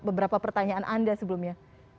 beberapa pertanyaan anda sebelumnya